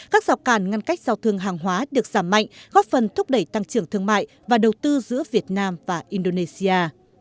các rào càn ngăn cách giao thương hàng hóa được giảm mạnh góp phần thúc đẩy tăng trưởng thương mại và đầu tư giữa việt nam và indonesia